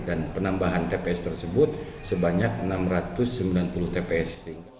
dan penambahan tps tersebut sebanyak enam ratus sembilan puluh tps